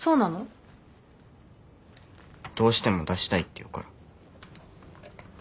どうしても出したいって言うから。